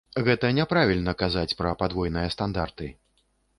Гэта няправільна, казаць пра падвойныя стандарты.